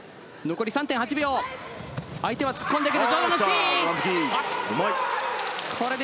残り３．８秒、相手は突っ込んでくる！